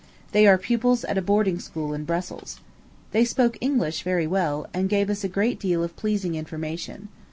They are pupils at a boarding school in Brussels. They spoke English very well, and gave us a great deal of pleasing information.